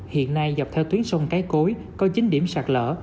hiện nay dọc theo tuyến sông cái cối có chín điểm sạt lở